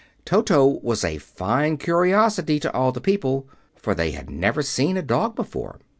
Toto was a fine curiosity to all the people, for they had never seen a dog before.